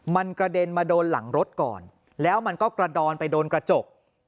มันกระเด็นมาโดนหลังรถก่อนแล้วมันก็กระดอนไปโดนกระจก